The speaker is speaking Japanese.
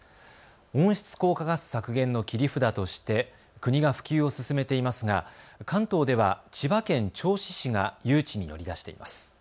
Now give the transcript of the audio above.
温室効果ガス削減の切り札として国が普及を進めていますが関東では千葉県銚子市が誘致に乗り出しています。